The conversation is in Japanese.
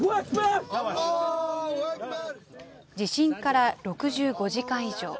地震から６５時間以上。